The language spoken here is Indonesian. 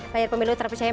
layar pemilu terpercaya